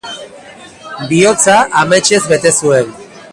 Bihotza ametsez bete zuen.